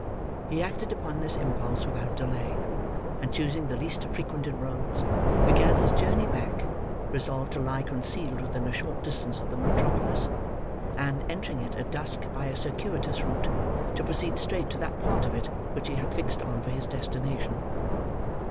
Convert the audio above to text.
He acted upon this impulse without delay, and choosing the least frequented roads began his journey back, resolved to lie concealed within a short distance of the metropolis, and, entering it at dusk by a circuitous route, to proceed straight to that part of it which he had fixed on for his destination.